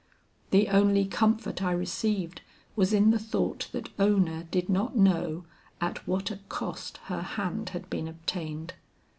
The only comfort I received was in the thought that Ona did not know at what a cost her hand had been obtained.